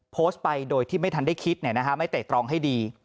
โพสต์ไปโดยที่ไม่ทันได้คิดไม่เตะตรองให้ดี